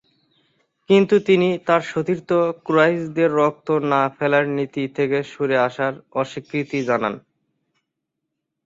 কিন্তু তিনি তার সতীর্থ কুরাইশদের রক্ত না ফেলার নীতি থেকে সরে আসার অস্বীকৃতি জানান।